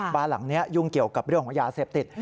บ้านหลังนี้ยุ่งเกี่ยวกับเรื่องของยาเสพติด